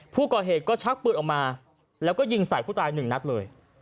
ผู้ก่อเหตุก็ชักปืนออกมาแล้วก็ยิงใส่ผู้ตายหนึ่งนัดเลย